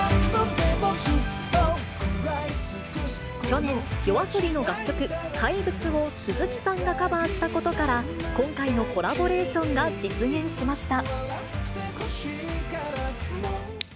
去年、ＹＯＡＳＯＢＩの楽曲、怪物を鈴木さんがカバーしたことから、今回のコラボレーションが実現しました。